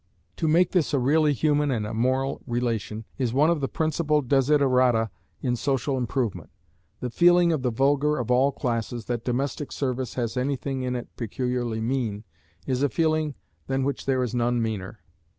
To make this a really human and a moral relation, is one of the principal desiderata in social improvement. The feeling of the vulgar of all classes, that domestic service has anything in it peculiarly mean, is a feeling than which there is none meaner.